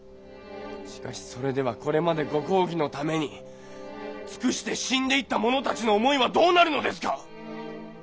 しかしそれではこれまでご公儀のために尽くして死んでいった者たちの思いはどうなるのですか！？